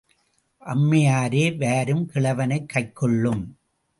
அம்மையாரே வாரும் கிழவனைக் கைக்கொள்ளும்.